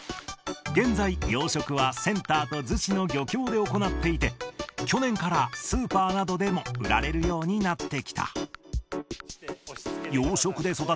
現在、養殖はセンターと逗子の漁協で行っていて、去年からスーパーなどでも売られるようになってきた。